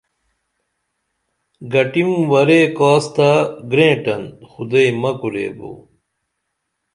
گٹیم ورے کاس تہ گرینٹن خُدئی مہ کوریبو